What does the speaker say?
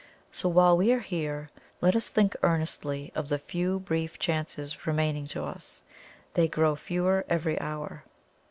So while we are here, let us think earnestly of the few brief chances remaining to us they grow fewer every hour.